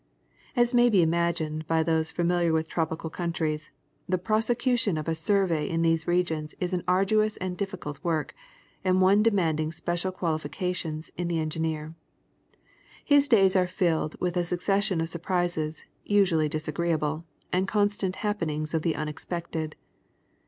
As may be imagined by those familiar with ti opical countries, the prosecution of a survey in these regions is an arduous and difficult work, and one demanding special qualifications in the en gineer. His daj^s are filled with a succession of surprises, usually disagreeable, and constant happenings of the unexpected.